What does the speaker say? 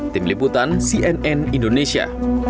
tim liputan cnn indonesia